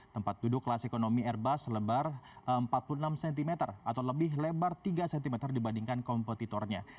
tempat duduk kelas ekonomi airbus lebar empat puluh enam cm atau lebih lebar tiga cm dibandingkan kompetitornya